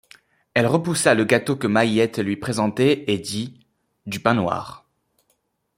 Elle repoussa le gâteau que Mahiette lui présentait et dit: — Du pain noir.